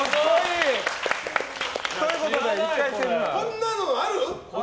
こんなのある？